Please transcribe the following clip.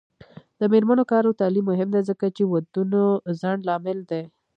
د میرمنو کار او تعلیم مهم دی ځکه چې ودونو ځنډ لامل دی.